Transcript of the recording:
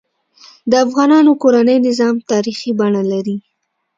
د افغانانو کورنۍ نظام تاریخي بڼه لري.